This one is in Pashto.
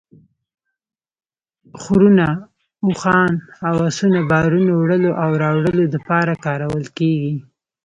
خرونه ، اوښان او اسونه بارونو وړلو او راوړلو دپاره کارول کیږي